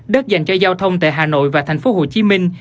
đất dành cho giao thông tại hà nội và thành phố hồ chí minh